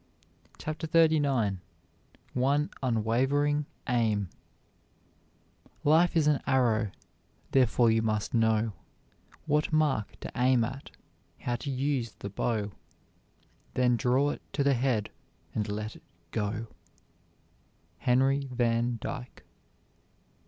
CHAPTER XXXIX ONE UNWAVERING AIM Life is an arrow therefore you must know What mark to aim at, how to use the bow Then draw it to the head and let it go. HENRY VAN DYKE.